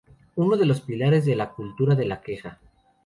Es uno de los pilares de la cultura de la queja.